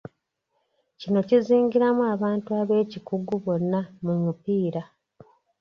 Kino kizingiramu abantu ab'ekikugu bonna mu mupiira.